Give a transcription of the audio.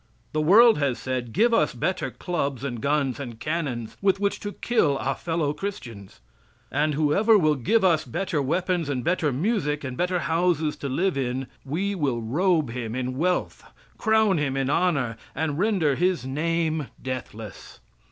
The world has said, give us better clubs and guns and cannons with which to kill our fellow Christians. And whoever will give us better weapons and better music, and better houses to live in, we will robe him in wealth crown him in honor, and render his name deathless.